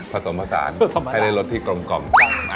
ผสมผสานให้ได้รถที่กลมกล่อมต่ำ